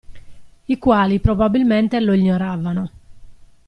I quali probabilmente lo ignoravano.